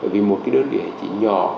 vì một cái đơn vị hành chính nhỏ